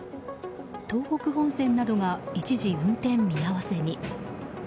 東北本線などが一時、運転見合わせに。